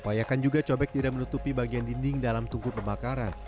upayakan juga cobek tidak menutupi bagian dinding dalam tungku pembakaran